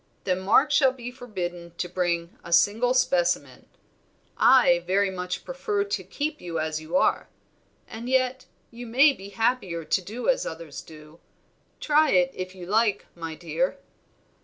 "Then Mark shall be forbidden to bring a single specimen. I very much prefer to keep you as you are. And yet you may be happier to do as others do; try it, if you like, my dear."